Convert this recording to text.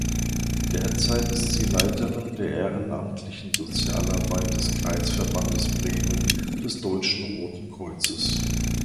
Derzeit ist sie Leiterin der ehrenamtlichen Sozialarbeit des Kreisverbandes Bremen des Deutschen Roten Kreuzes.